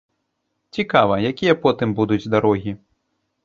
Цікава, якія потым будуць дарогі.